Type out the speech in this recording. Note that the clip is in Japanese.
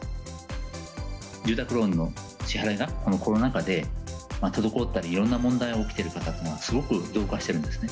住宅ローンの支払いが、コロナ禍で滞ったり、いろんな問題が起きている方というのがすごく増加してるんですね。